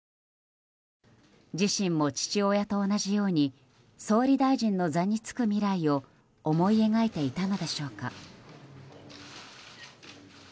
自身も父親と同じように総理大臣の座に就く未来を思い描いていたのでしょうか。